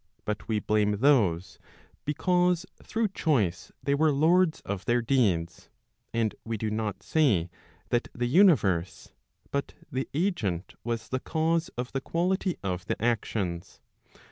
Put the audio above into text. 467 but we blame those, because through choice they were lords of their deeds, and we do not say that the universe, but the agent was the cause of the quality of the actions.